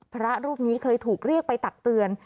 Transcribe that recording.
พระรูปนี้เคยถูกเรียกไปตักเตือน